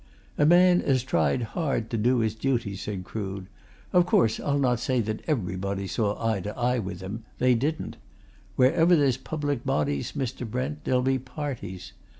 "A man as tried hard to do his duty," said Crood. "Of course I'll not say that everybody saw eye to eye with him. They didn't. Wherever there's public bodies, Mr. Brent, there'll be parties.